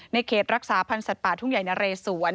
เขตรักษาพันธ์สัตว์ป่าทุ่งใหญ่นะเรสวน